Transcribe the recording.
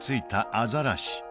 アザラシ